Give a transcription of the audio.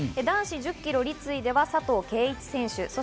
男子１０キロ立位では佐藤圭一選手。